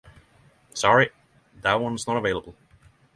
Sorry, that one's not available.